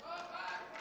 kami punya kewajiban